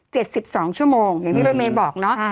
๗๒ชั่วโมงอย่างที่เบอร์เมย์บอกเนาะ